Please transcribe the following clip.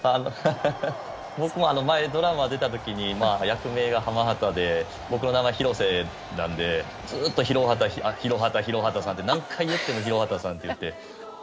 僕も前、ドラマに出た時に役名が浜畑で僕の名前は廣瀬なのでずっと廣畑、廣畑と何回言っても廣畑さんって言って。